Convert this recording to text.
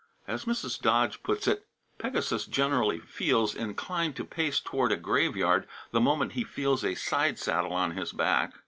As Mrs. Dodge puts it, "Pegasus generally feels inclined to pace toward a graveyard the moment he feels a side saddle on his back."